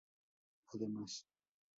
Además, St.